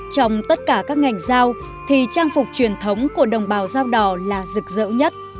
trong tất cả các ngành giao thì trang phục truyền thống của đồng bào dao đỏ là rực rỡ nhất